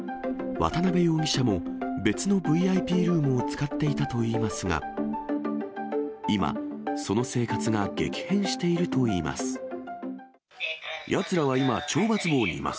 渡辺容疑者も別のＶＩＰルームを使っていたといいますが、今、その生活が激変しているといいます。